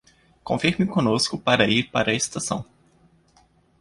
Confirme conosco para ir para a estação